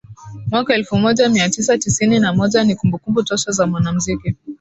mwaka elfu moja mia tisa tisini na moja ni kumbukumbu tosha za mwanamuziki